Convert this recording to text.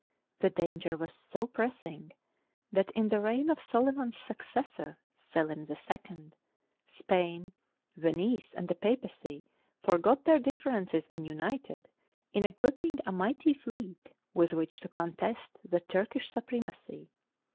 The danger was so pressing that in the reign of Solyman 's successor, Selim II, Spain, Venice, and the Papacy forgot their differences and united in equipping a mighty fleet with which to contest the Turk ish supremacy.